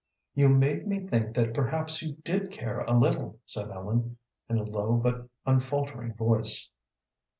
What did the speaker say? "You made me think that perhaps you did care a little," said Ellen, in a low but unfaltering voice.